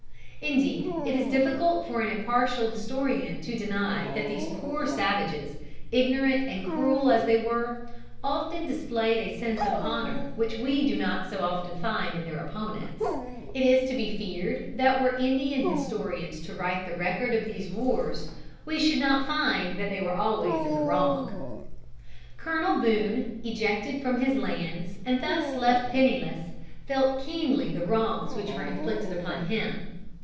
Indeed, it is difficult for an impartial historian to deny, that these poor savages, ignorant and cruel as they were, often displayed a sense of honor which we do not so often find in their opponents. It is to be feared that were Indian historians to write the record of these wars, we should not find that they were always in the wrong. Colonel Boone, ejected from his lands and thus left penniless, felt keenly the wrongs which were inflicted upon him.